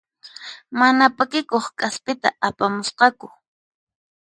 Mana p'akikuq k'aspita apamusqaku.